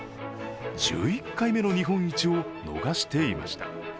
１１回目の日本一を逃していました。